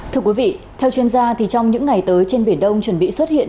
thưa quý vị theo chuyên gia trong những ngày tới trên biển đông chuẩn bị xuất hiện